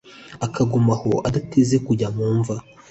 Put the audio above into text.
akaguma aho adateze kujya mu mva?